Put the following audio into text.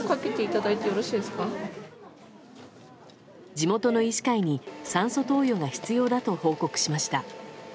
地元の医師会に酸素投与が必要だと報告しました。